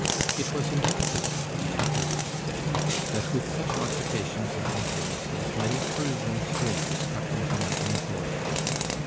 "It was inevitable," he afterwards said, "that with such occupations and influences many Persian strains crept into my own poetry."